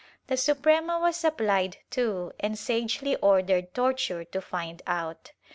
The Suprema was applied to and sagely ordered torture to find out.